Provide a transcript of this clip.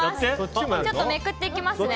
ちょっとめくっていきますね。